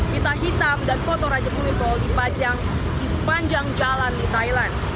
pita hitam dan foto raja kulitpol dipajang di sepanjang jalan di thailand